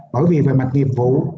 bởi vì về mạch nghiệp vụ